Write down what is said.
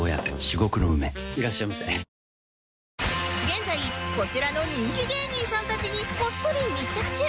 現在こちらの人気芸人さんたちにこっそり密着中